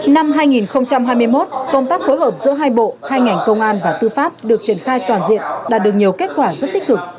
năm hai nghìn hai mươi một công tác phối hợp giữa hai bộ hai ngành công an và tư pháp được triển khai toàn diện đạt được nhiều kết quả rất tích cực